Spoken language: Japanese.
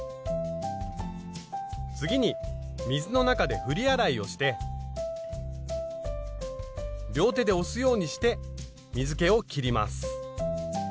次に水の中で振り洗いをして両手で押すようにして水けをきります。